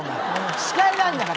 司会なんだから。